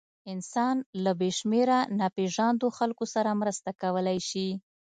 انسان له بېشمېره ناپېژاندو خلکو سره مرسته کولی شي.